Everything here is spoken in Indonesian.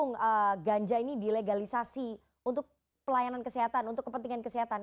banyak orang banyak orang yang mengatakan bahwa ganja ini dilegalisasi untuk pelayanan kesehatan untuk kepentingan kesehatan